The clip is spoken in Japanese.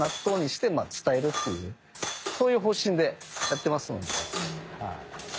そういう方針でやってますので。